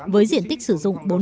với diện tích sử dụng